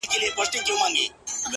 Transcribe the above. زه د تورسترگو سره دغسي سپين سترگی يمه ـ